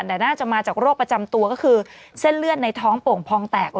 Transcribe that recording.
แต่น่าจะมาจากโรคประจำตัวก็คือเส้นเลือดในท้องโป่งพองแตก